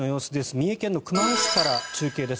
三重県の熊野市から中継です。